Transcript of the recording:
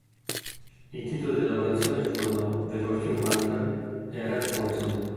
I titoli di lavorazione furono "The Fortune Hunter" e "Red Horizon".